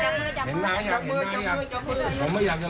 ทุ่งใหญ่ทุ่งใหญ่ทุ่งมุ่งหน้าไปทุ่งใหญ่ซึ่งถูกจัดผ่านครับ